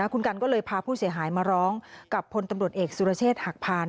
คุณกันก็เลยพาผู้เสียหายมาร้องกับพลตำรวจเอกสุรเชษฐ์หักพาน